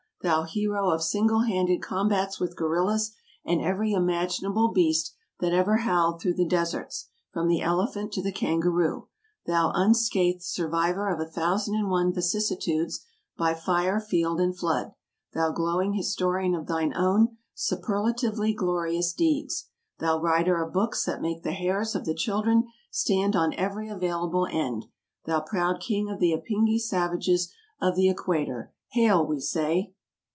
thou hero of single handed combats with gorillas and every imaginable beast that ever howled through the deserts, from the elephant to the kangaroo; thou unscathed survivor of a thousand and one vicissitudes by fire, field, and flood; thou glowing historian of thine own superlatively glorious deeds: thou writer of books that make the hairs of the children stand on every available end; thou proud king of the Apingi savages of the equator; hail! we say.